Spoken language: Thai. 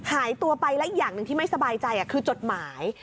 หายตัวไปและอีกอย่างหนึ่งที่ไม่สบายใจคือจดหมาย